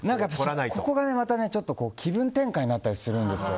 ここがまたちょっと気分転換になったりするんですよ。